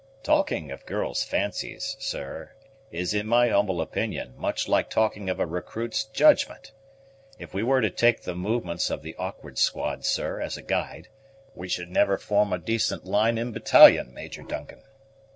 "Talking of girls' fancies, sir, is in my humble opinion much like talking of a recruit's judgment. If we were to take the movements of the awkward squad, sir, as a guide, we should never form a decent line in battalion, Major Duncan."